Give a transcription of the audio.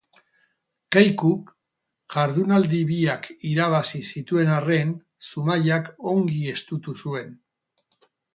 Kaikuk jardunaldi biak irabazi zituen arren Zumaiak ongi estutu zuen.